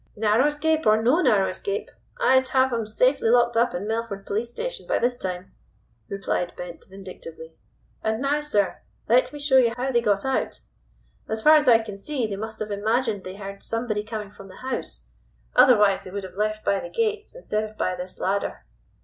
"Narrow escape or no narrow escape, I'd have 'em safely locked up in Merford Police Station by this time," replied Bent vindictively. "And now, sir, let me show you how they got out. As far as I can see they must have imagined they heard somebody coming from the house, otherwise they would have left by the gates instead of by this ladder."